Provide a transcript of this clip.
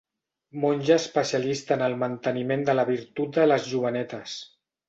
Monja especialista en el manteniment de la virtut de les jovenetes.